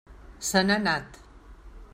Se n'ha anat.